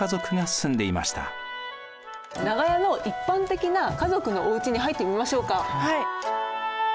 長屋の一般的な家族のおうちに入ってみましょうか。